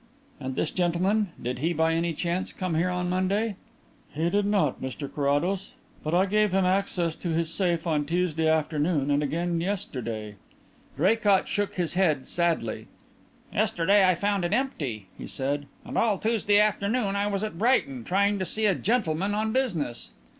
"And this gentleman? Did he by any chance come here on Monday?" "He did not, Mr Carrados. But I gave him access to his safe on Tuesday afternoon and again yesterday." Draycott shook his head sadly. "Yesterday I found it empty," he said. "And all Tuesday afternoon I was at Brighton, trying to see a gentleman on business."